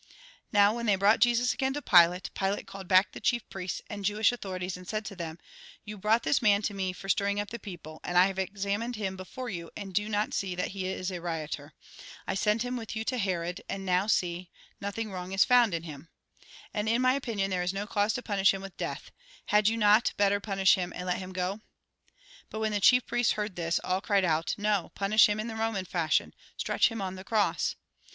Now, when they brought Jesus again to Pilate, Pilate called back the chief priests and Jewish authorities, and said to them :" You brought this man to me for stirring up the people, and I have examined him before you, and do not see that he is a lioter. I sent him with you to Herod, and Mk. \v. 5. Lk xxiii. 0. VICTORY OF THE SPIRIT OVER THE FLESH 153 Mt.xxvii. 23. Jn. xix. 4. now, see, — nothing wrong is found in liim. And, in my opinion, there is no cause to punish him with death. Had vou not better punish hun and let him go ?" But when the chief priests heard this, all cried out :" No, punish him in the Roman fashion ! Stretch him on the cross